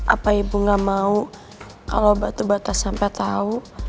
apa ibu gak mau kalo batu batas sampe tau